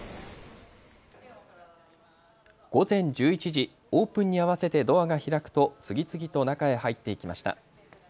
午前１１時、オープンに合わせてドアが開くと次々と中へ入っていきました。